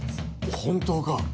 本当か。